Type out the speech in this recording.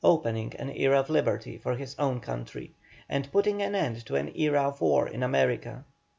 opening an era of liberty for his own country, and putting an end to an era of war in America.